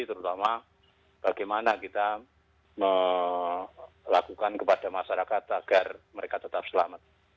terutama bagaimana kita melakukan kepada masyarakat agar mereka tetap selamat